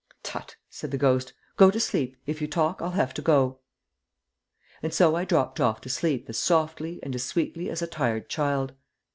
"Tutt!" said the ghost. "Go to sleep, If you talk I'll have to go." And so I dropped off to sleep as softly and as sweetly as a tired child.